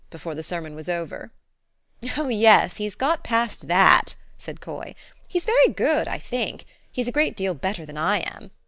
' before the sermon was over." " Oh, yes ! Well, he's got past that," said Coy. " He's very good, I think : he's a great deal better than I am.